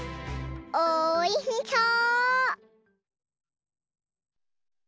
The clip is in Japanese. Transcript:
おいしそう！